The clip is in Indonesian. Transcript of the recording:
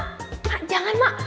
emak jangan emak